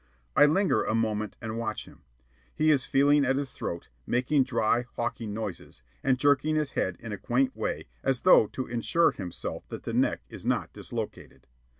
I linger a moment and watch him. He is feeling at his throat, making dry, hawking noises, and jerking his head in a quaint way as though to assure himself that the neck is not dislocated.